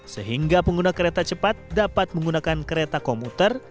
sehingga pengguna kereta cepat dapat menggunakan kereta komuter